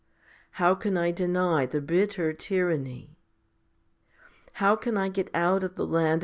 How can I deny the bitter tyranny? How can I get out of the land of 1 Rom.